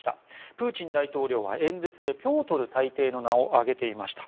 プーチン大統領は演説でピョートル大帝の名を挙げていました。